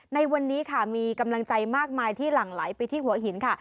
ในวันนี้ค่ะมีกำลังใจมากมายที่หลั่งไหลไปที่หัวหินค่ะ